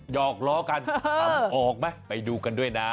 หยอกลอกันเอาออกมาไปดูกันด้วยนะ